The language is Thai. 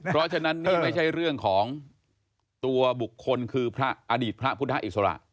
เพราะฉะนั้นไม่ใช่เรื่องของตัวบุคคลคืออดีตพระพุทธศาสตร์อิสระ